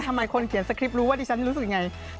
คนเขียนสคริปต์รู้ว่าดิฉันจะรู้สึกยังไง